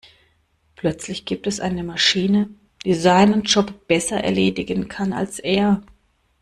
Plötzlich gibt es eine Maschine, die seinen Job besser erledigen kann als er.